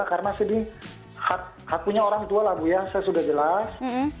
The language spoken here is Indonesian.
karena hat punya orang tua lah bu ya saya sudah jelas